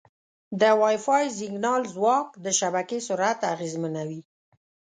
د وائی فای سیګنال ځواک د شبکې سرعت اغېزمنوي.